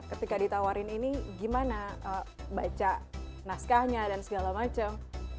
ketika ditawarin ini gimana baca naskahnya dan segala macam